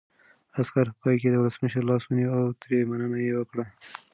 عسکر په پای کې د ولسمشر لاس ونیو او ترې مننه یې وکړه.